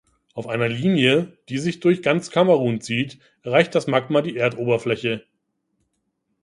Auf einer Linie, die sich durch ganz Kamerun zieht, erreicht das Magma die Erdoberfläche.